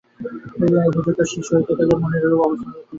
উপযুক্ত শিষ্য হইতে গেলে মনের এরূপ অবস্থা অত্যন্ত প্রয়োজনীয়।